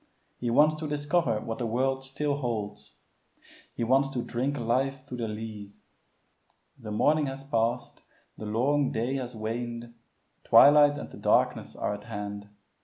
He wants to discover what the world still holds. He wants to drink life to the lees. The morning has passed, the long day has waned, twilight and the darkness are at hand.